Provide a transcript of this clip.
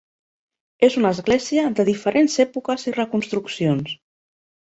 És una església de diferents èpoques i reconstruccions.